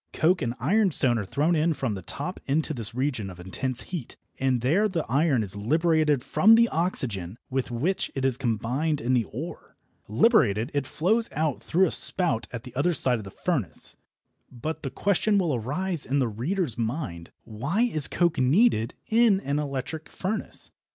Coke and ironstone are thrown in from the top into this region of intense heat, and there the iron is liberated from the oxygen with which it is combined in the ore. Liberated, it flows out through a spout at one side of the furnace. But the question will arise in the reader's mind: Why is coke needed in an electric furnace?